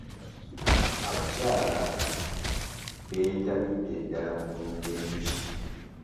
Abakyala b'etabidde ddala mu kulunda enjuki.